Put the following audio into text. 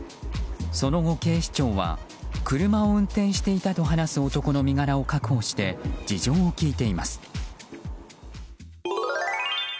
その後、警視庁は車を運転していたと話す男の身柄を確保して事情を聴いています。